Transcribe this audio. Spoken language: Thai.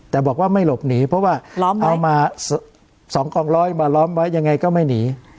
แต่บอกว่าไม่หลบหนีเพราะว่าเอามา๒กองร้อยมาล้อมไว้ยังไงก็ไม่หนี